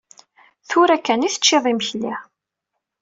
Tura kan i teččiḍ imekli.